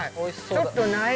ちょっとない。